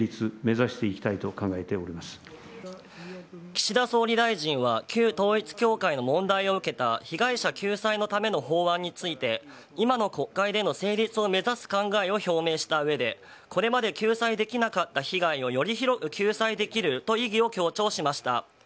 岸田総理大臣は旧統一教会の問題を受けた被害者救済のための法案について今の国会での成立を目指す考えを表明した上でこれまで救済できなかった被害をより広く救済できると意義を強調しました。